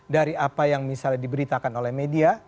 dari apa yang misalnya diberitakan oleh media